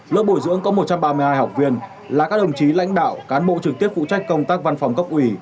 lớp bồi dưỡng có một trăm ba mươi hai học viên là các đồng chí lãnh đạo cán bộ trực tiếp phụ trách công tác văn phòng cấp ủy